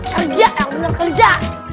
kerja yang benar kerja